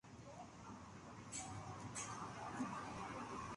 El director del filme tiene un hermano autista.